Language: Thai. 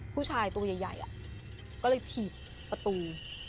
ผู้ชายตัวใหญ่ก็เลยถีบประตู